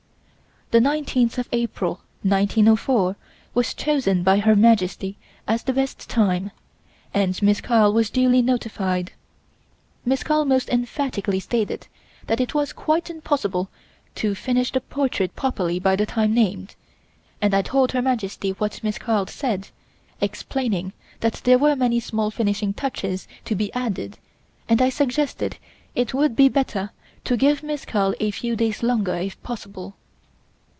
The 19th of April, 1904, was chosen by Her Majesty as the best time, and Miss Carl was duly notified. Miss Carl most emphatically stated that it was quite impossible to finish the portrait properly by the time named, and I told Her Majesty what Miss Carl said, explaining that there were many small finishing touches to be added and I suggested it would be better to give Miss Carl a few days longer if possible.